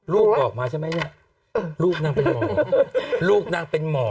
ลูกบอกมาใช่ไหมลูกนางเป็นหมอ